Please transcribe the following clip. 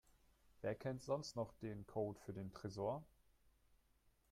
Wer kennt sonst noch den Code für den Tresor?